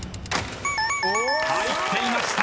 ［入っていました］